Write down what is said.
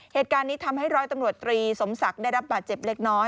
เหตุการณ์นี้ทำให้ร้อยตำรวจตรีสมศักดิ์ได้รับบาดเจ็บเล็กน้อย